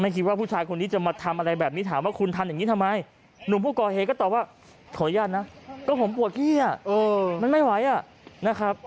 ส่วนนุ่มคนขี่เนี่ยนะฮะ